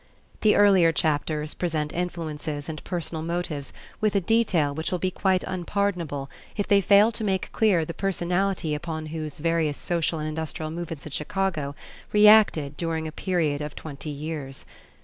The earlier chapters present influences and personal motives with a detail which will be quite unpardonable if they fail to make clear the personality upon whom various social and industrial movements in Chicago reacted during a period of twenty years.